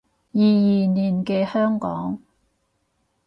二二年嘅香港